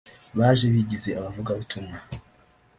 baje bigize abavugabutumwa